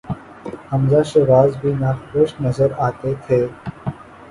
حمزہ شہباز بھی ناخوش نظر آتے تھے۔